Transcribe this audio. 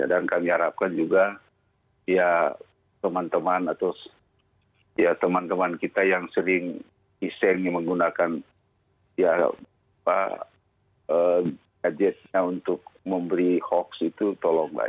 dan kami harapkan juga teman teman atau teman teman kita yang sering iseng menggunakan gadgetnya untuk memberi hoax itu tolong pak